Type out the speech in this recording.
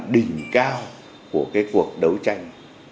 đỉnh cao của cái cuộc đấu tranh